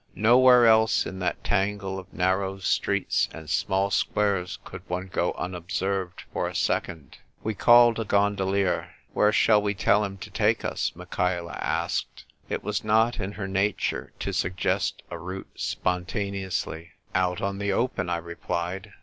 Nowhere else in that tangle of narrow streets and small squares could one go unobserved for a second. We called a gondolier. " Where shall we tell him to take us ?" Michaela asked. It was not in her nature to suggest a route spontaneously. " Out on the open," I replied.